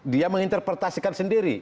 dia menginterpretasikan sendiri